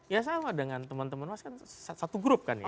ya sama dengan teman teman mas kan satu grup kan ya